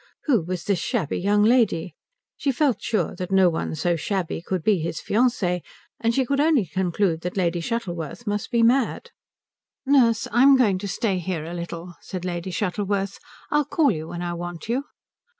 Who was this shabby young lady? She felt sure that no one so shabby could be his fiancée, and she could only conclude that Lady Shuttleworth must be mad. "Nurse, I'm going to stay here a little," said Lady Shuttleworth. "I'll call you when I want you."